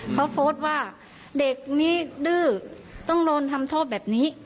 เขาโพสต์ว่าเด็กนี้ดื้อต้องโดนทำโทษแบบนี้